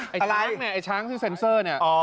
ไอ้ช้างเนี่ยไอ้ช้างที่เซ็นเซอร์เนี่ย